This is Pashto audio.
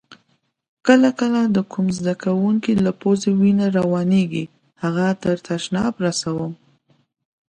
کله کله د کوم زده کونکي له پوزې وینه روانیږي هغه تر تشناب رسوم.